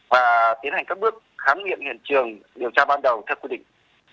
và tiến hành các bước khám nghiệm hiện trường điều tra ban đầu theo quy định